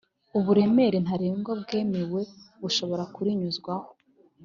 Uburemere ntaregwa bwemewe bushobora kurinyuzwaho